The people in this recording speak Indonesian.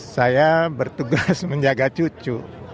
saya bertugas menjaga cucu